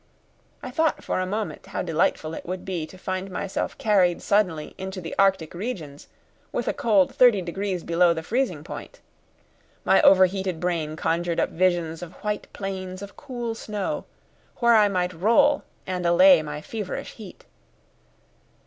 I thought for a moment how delightful it would be to find myself carried suddenly into the arctic regions, with a cold 30° below the freezing point. My overheated brain conjured up visions of white plains of cool snow, where I might roll and allay my feverish heat.